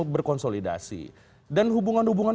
berkonsolidasi dan hubungan hubungan